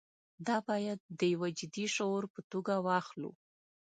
دا باید د یوه جدي شعور په توګه واخلو.